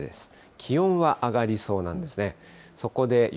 気温は上がりそうなんですね。